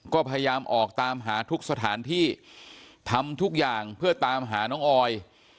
ก็พยายามออกตามหาทุกสถานที่ทำทุกอย่างเพื่อตามหาน้องออย